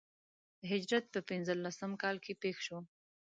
د هجرت په پنځه لسم کال کې پېښ شو.